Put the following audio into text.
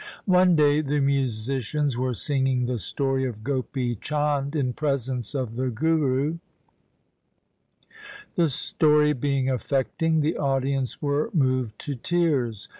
One day the musicians were singing the story of Gopi Chand in presence of the Guru. The story being affecting, the audience were moved to tears.